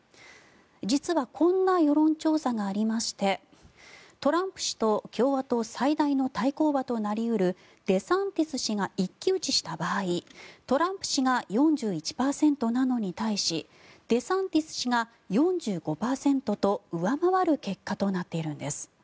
実はこんな世論調査がありましてトランプ氏と共和党最大の対抗馬となり得るデサンティス氏が一騎打ちした場合トランプ氏が４１％なのに対しデサンティス氏が４５％と上回る結果となっているんです。